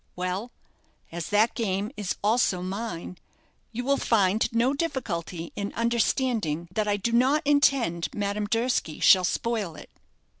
Well, as that game is also mine, you will find no difficulty in understanding that I do not intend Madame Durski shall spoil it."